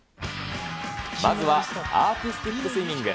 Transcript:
まずはアーティスティックスイミング。